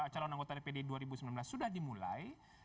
calon anggota dpd dua ribu sembilan belas sudah dimulai